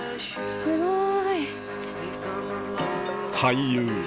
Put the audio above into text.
すごい！